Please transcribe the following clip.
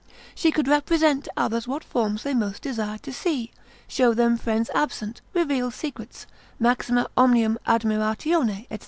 She could represent to others what forms they most desired to see, show them friends absent, reveal secrets, maxima omnium admiratione, &c.